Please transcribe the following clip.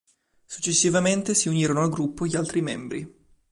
Successivamente si uniranno al gruppo gli altri membri.